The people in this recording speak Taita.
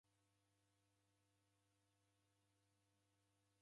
Oimwa rusa.